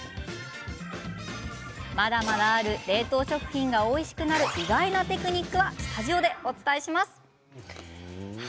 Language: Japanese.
まだまだある冷食がおいしくなる意外なテクニックはスタジオで。